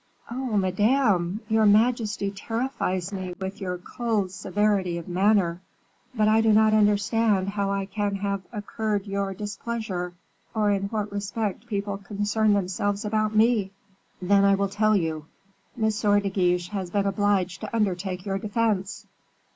"Oh! madame, your majesty terrifies me with your cold severity of manner; but I do not understand how I can have incurred your displeasure, or in what respect people concern themselves about me." "Then I will tell you. M. de Guiche has been obliged to undertake your defense."